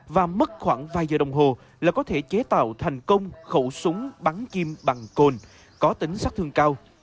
và mất khoảng vài giờ đồng hồ là có thể chế tạo thành công khẩu súng bắn chim bằng côn có tính sắc thương cao